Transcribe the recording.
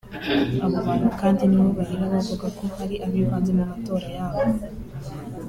[…] abo bantu kandi nibo barira bavuga ko hari abivanze mu matora yabo